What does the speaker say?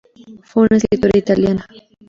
Fue una escritora italiana.